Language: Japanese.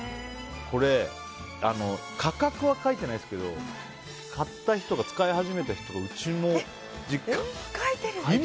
これ、価格は書いてないですけど買った日とか、使い始めた日はうちの実家も。